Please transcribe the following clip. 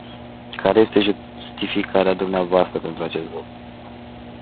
Care este justificarea dvs. pentru acest lucru?